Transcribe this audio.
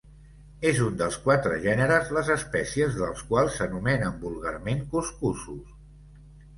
És un dels quatre gèneres les espècies dels quals s'anomenen vulgarment cuscussos.